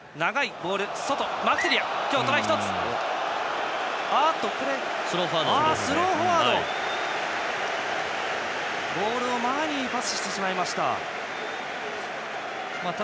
ボールを前にパスしてしまいました。